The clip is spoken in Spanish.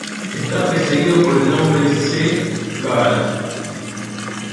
Está precedido por el nombre Se...kara.